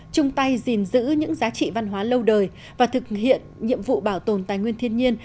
chung tay gìn giữ những giá trị văn hóa lâu đời và thực hiện nhiệm vụ bảo tồn tài nguyên thiên nhiên